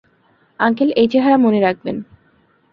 Uncle, এই চেহারা মনে রাখবেন।